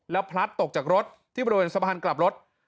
แล้วพลัดตกจากรถที่บริเวณสะพานกลับรถ